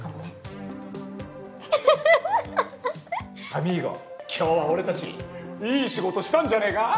アミーゴ今日は俺たちいい仕事したんじゃねぇか？